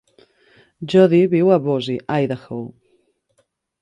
Jodi viu a Boise, Idaho.